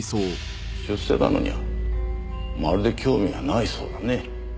出世だのにはまるで興味がないそうだね。